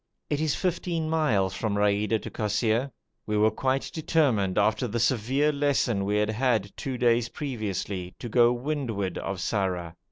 It is fifteen miles from Raida to Kosseir. We were quite determined, after the severe lesson we had had two days previously, to go to windward of Sarrar.